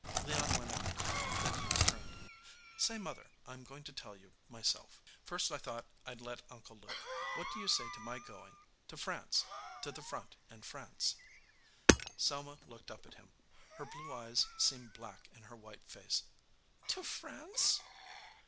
Leon went out ; then he returned : "Say, mother, I m going to tell you, myself. First I thought I d let Uncle Luke. What do you say to my going to France, to the front in France ?" Selma looked up at him. Her blue eyes seemed black in her white face. "To France?"